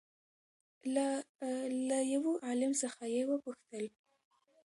له له يوه عالم څخه يې وپوښتل